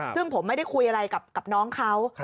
ซึ่งผมไม่ได้คุยอะไรกับน้องเขา